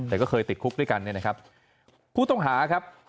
แต่ก็เคยติดคุกด้วยกันเนี่ยนะครับผู้ต้องหาครับ